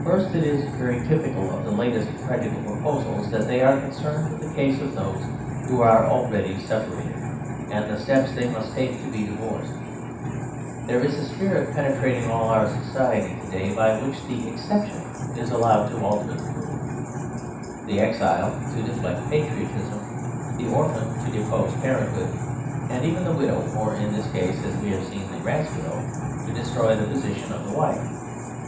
First, it is very typical of the latest prac tical proposals that they are concerned with the case of those who are already separated, and the steps they must take to be divorced. There is a spirit penetrating all our society to day by which the exception is allowed to alter the rule; the exile to deflect patriotism. 52 The Superstition of Divorce the orphan to depose parenthood, and even the widow or, in this case as we have seen the grass widow, to destroy the position of the wife.